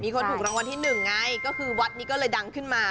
เขาถูกรางวัลที่หนึ่งไงก็คือวัดนี้ก็เลยดังขึ้นมา